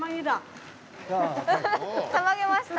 たまげました？